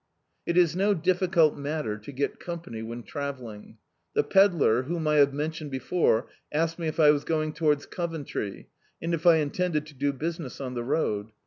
It is no difficult matter to get company when travelling. The pedlar, whom I have mentioned before, asked me if I was going towards Coventry, and if I intended to do business on the road.